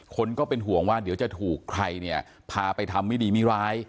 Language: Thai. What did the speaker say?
ก็เป็นห่วงว่าเดี๋ยวจะถูกใครเนี่ยพาไปทำไม่ดีไม่ร้าย